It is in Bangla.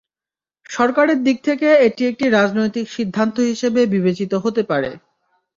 সরকারের দিক থেকে এটি একটি রাজনৈতিক সিদ্ধান্ত হিসেবে বিবেচিত হতে পারে।